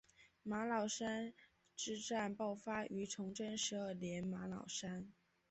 玛瑙山之战爆发于崇祯十二年玛瑙山。